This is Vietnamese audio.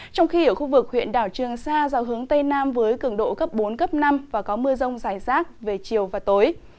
trong khi ở khu vực huyện đảo trường sa dào hướng tây nam với cường độ cấp bốn cấp năm và có mưa rông rải rác về chiều và tối